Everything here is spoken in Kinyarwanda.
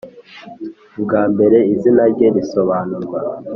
Ubwa mbere izina rye risobanurwa